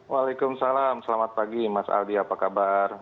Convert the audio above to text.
waalaikumsalam selamat pagi mas aldi apa kabar